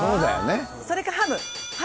それかハム。